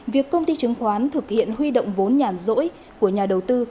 việc công ty chứng khoán thực hiện huy động vốn nhàn rỗi của nhà đầu tư